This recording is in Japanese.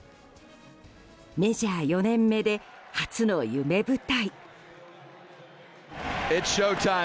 メジャー４年目で初の夢舞台。